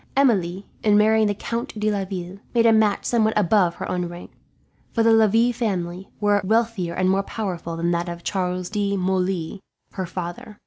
"Emilie, in marrying the Count de Laville, made a match somewhat above her own rank; for the Lavilles were a wealthier and more powerful family than that of Charles de Moulins, her father.